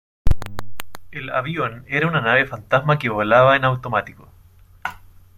El avión era una nave fantasma que volaba en automático.